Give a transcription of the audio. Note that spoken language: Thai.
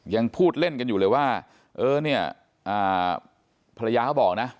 ยังพูดเล่นกันอยู่เลยว่าเออเนี่ยภรรยาเขาบอกนะ